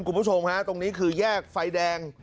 คุณผู้ชมฮะตรงนี้คือแยกไฟแดง